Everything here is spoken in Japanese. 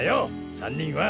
３人は！